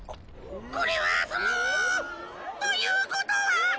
これはそのということは？